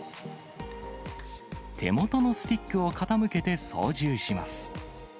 手元のスティックを傾けて操縦します。